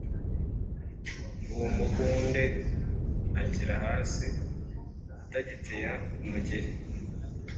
uwo muhunde agera hasi atagitera umugeli,